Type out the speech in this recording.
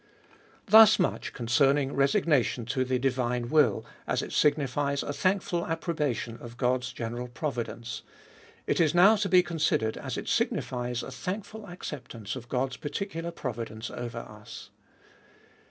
; Thus much concerrtins,' resioniation to the divine will, as it signifies a thdnkfui approbation of God's general providence: It is now to be considered, as it signifies a thankful acceptance of God's particular providence over us.